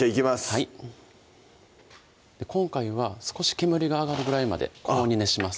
はい今回は少し煙が上がるぐらいまで高温に熱します